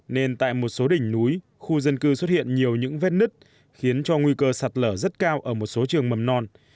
nên tại một số đỉnh núi khu dân cư xuất hiện nhiều những vết nứt khiến cho nguy cơ sạt lở rất cao ở một số trường mầm non